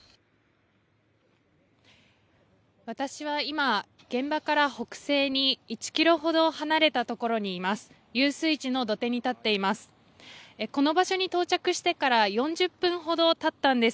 私は今、現場から北西に１キロほど離れた所にいます。